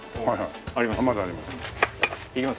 あります？